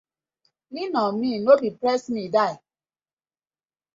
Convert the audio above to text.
Lean on me, no be press me die: